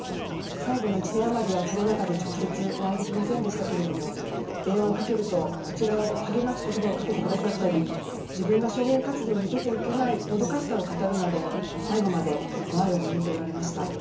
最後の１年余りはコロナ禍で直接お会いできませんでしたけれども電話をかけるとこちらを励ますことばをかけてくださったり自分が証言活動に出ていけないもどかしさを語るなど最後まで前を向いておられました。